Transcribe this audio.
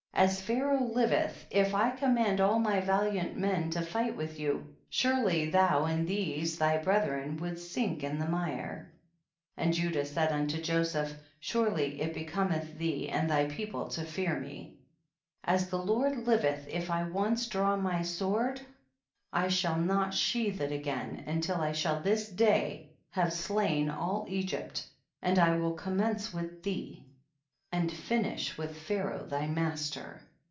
as Pharaoh liveth, if I com mand all my valiant men to fight with you, surely thou and these thy brethren would sink in the mire. 10. And Judah said unto Joseph, surely it becometh thee and thy peo ple to fear me ; as the Lord liveth if I once draw my sword I shall not| sheathe it again until I shall this day have slain all Egypt, and I will com mence with thee and finish with Pha raoh thy master.